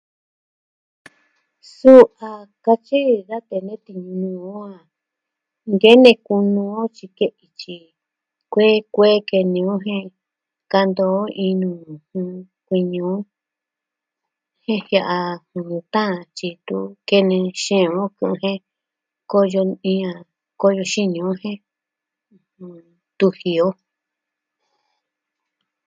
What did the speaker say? Suu, a katyi da tee ne tiñu o, a nkene kunu axin ke'i tyi kuee kuee kee ñuu o jen ka ntɨɨn o inu... kuee ñu'un jen jee a tan tyi tun kene xeen o kuu jen koyo iin a... koyo xini o jen tujii o.